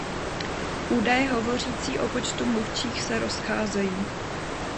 Údaje hovořící o počtu mluvčích se rozcházejí.